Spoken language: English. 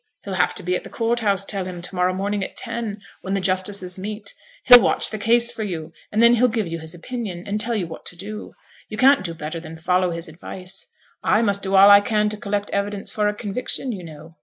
He'll have to be at the court house, tell him, to morrow morning at ten, when the justices meet. He'll watch the case for you; and then he'll give you his opinion, and tell you what to do. You can't do better than follow his advice. I must do all I can to collect evidence for a conviction, you know.'